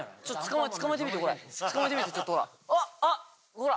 ほら！